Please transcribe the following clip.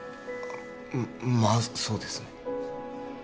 まあそうですね